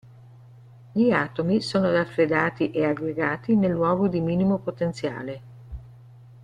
Gli atomi sono raffreddati e aggregati nel luogo di minimo potenziale.